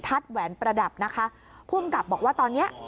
แหวนประดับนะคะผู้อำกับบอกว่าตอนเนี้ย